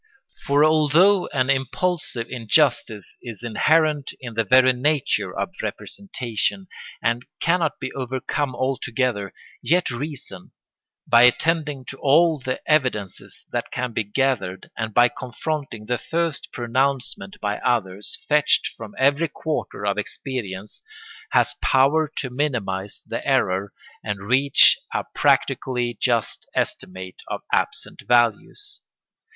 For although an impulsive injustice is inherent in the very nature of representation and cannot be overcome altogether, yet reason, by attending to all the evidences that can be gathered and by confronting the first pronouncement by others fetched from every quarter of experience, has power to minimise the error and reach a practically just estimate of absent values.